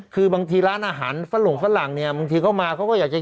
คือบางทีร้านอาหารฟั่นหลงฟั่นหลังเนี่ย